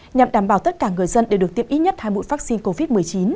nhằm đảm bảo tất cả người dân đều được tiêm ít nhất hai mũi vaccine covid một mươi chín